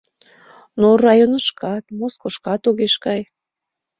Но районышкат, Москошкат огеш кай.